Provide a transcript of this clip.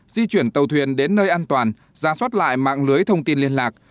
di chuyển tàu thuyền đến nơi an toàn ra soát lại mạng lưới thông tin liên lạc